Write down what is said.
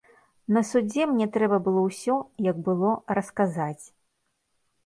На судзе мне трэба было ўсё, як было, расказаць.